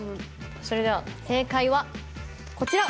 それでは正解はこちら！